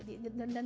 dan gak ada